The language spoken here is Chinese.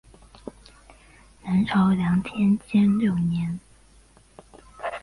南朝梁天监六年。